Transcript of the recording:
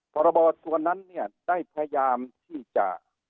พรตัวนั้นได้พยายามที่จะ